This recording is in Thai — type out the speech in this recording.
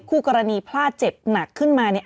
คู่กรณีพลาดเจ็บหนักขึ้นมาเนี่ย